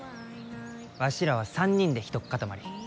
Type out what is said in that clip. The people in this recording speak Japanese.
わしらは３人でひとっかたまり。